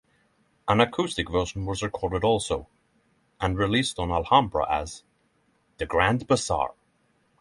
An acoustic version was recorded also and released on Alhambra as "The Grand Bazaar".